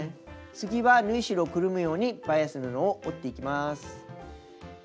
次は縫い代をくるむようにバイアス布を折っていきます。